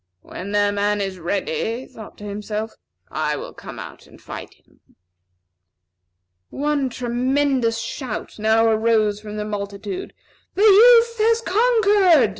"When their man is ready," he thought to himself, "I will come out and fight him." One tremendous shout now arose from the multitude. "The youth has conquered!"